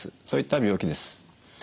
そういった病気です。